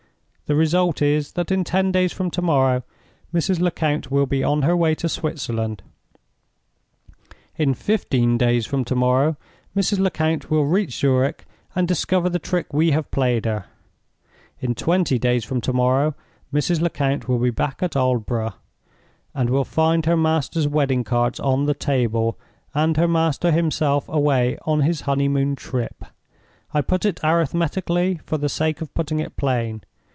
The result is, that in ten days from to morrow Mrs. Lecount will be on her way to Switzerland; in fifteen days from to morrow Mrs. Lecount will reach Zurich, and discover the trick we have played her; in twenty days from to morrow Mrs. Lecount will be back at Aldborough, and will find her master's wedding cards on the table, and her master himself away on his honey moon trip. I put it arithmetically, for the sake of putting it plain.